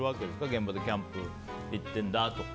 現場でキャンプ行ってるんだとか。